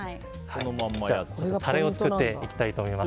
じゃあ、タレを作っていきたいと思います。